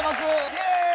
イエーイ！